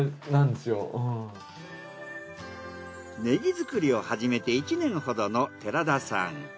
ねぎ作りを始めて１年ほどの寺田さん。